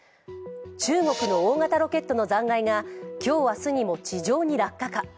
中国の大型ロケットの残骸が今日明日にも地上に落下か。